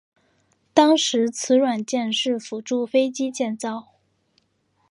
当时此软件是辅助飞机建造。